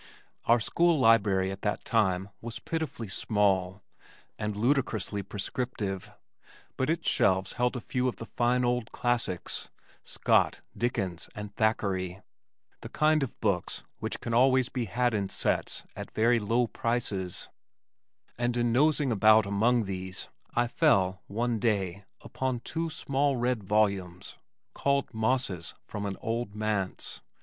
Our school library at that time was pitifully small and ludicrously prescriptive, but its shelves held a few of the fine old classics, Scott, Dickens and Thackeray the kind of books which can always be had in sets at very low prices and in nosing about among these I fell, one day, upon two small red volumes called Mosses from an Old Manse.